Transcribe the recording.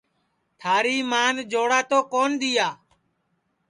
تھاری مان جوڑا تو کون دؔیا